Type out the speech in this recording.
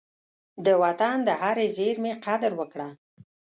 د وطن د هرې زېرمي قدر وکړه.